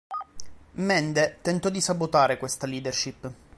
Mende tentò di sabotare questa leadership.